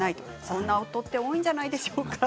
そんな夫って多いんじゃないでしょうか。